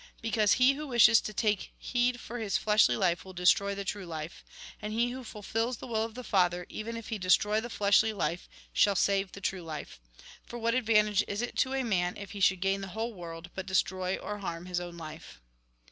Be cause he who wishes to take heed for his fleshly life will destroy the true life. And he who fulfils the will of the Father, even if he destroy the fleshly life, shall save the true life. For, what advantage is it to a man if he should gain the whole world, but destroy or harm his own life